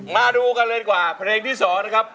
มาดูกันเลยกว่าเพลงที่๒นะครับ